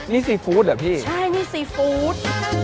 นี่ซีฟู้ดเหรอพี่ใช่นี่ซีฟู้ด